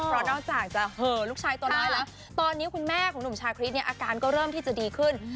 เพราะนอกจากจะเหอะลูกชายตัวน้อยแล้วตอนนี้คุณแม่ของหนุ่มชาคริสเนี่ยอาการก็เริ่มที่จะดีขึ้น